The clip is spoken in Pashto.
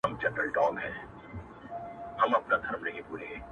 پر کهاله باندي یې زېری د اجل سي٫